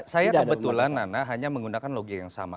saya kebetulan hanya menggunakan logik yang sama